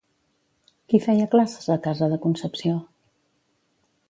Qui feia classes a casa de Concepció?